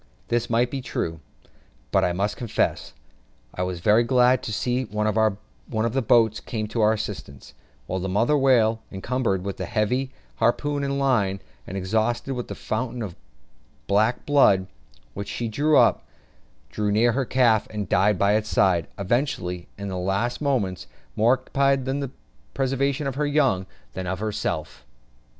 This might be very true; but I must confess I was very glad to see one of the boats come to our assistance, while the mother whale, encumbered with the heavy harpoon and line, and exhausted with the fountain of black blood which she threw up, drew near to her calf, and died by its side; evidently, in her last moments, more occupied with the preservation of her young than of herself.